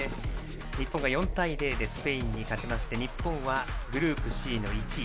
日本が４対０でスペインに勝ちまして日本はグループＣの１位。